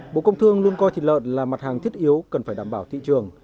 bộ công thương luôn coi thịt lợn là mặt hàng thiết yếu cần phải đảm bảo thị trường